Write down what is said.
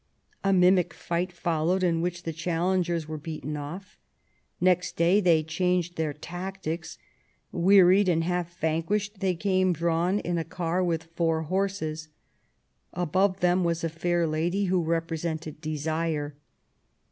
A mimic fight followed in which the challengers were beaten off. Next day they changed their tactics. Wearied and half vanquished they came drawn in a car with four horses. Above them was a fair lady who represented Desire.